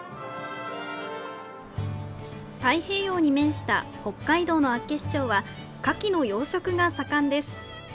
太平洋に面した北海道の厚岸町はカキの養殖が盛んです。